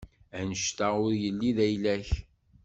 Annect-a ur yelli d ayla-k.